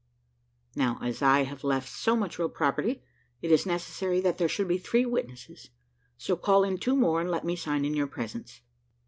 Now, as I have left so much real property, it is necessary that there should be three witnesses; so call in two more, and let me sign in your presence."